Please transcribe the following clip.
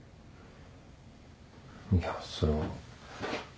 いやそれは。